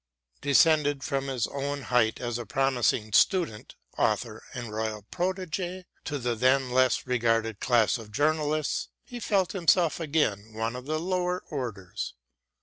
Descended from his own height as a promising student, author and royal protégé to the then less regarded class of journalists, he felt himself again one of the lower orders.